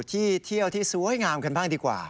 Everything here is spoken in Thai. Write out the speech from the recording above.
ที่เที่ยวที่สวยงามกันบ้างดีกว่า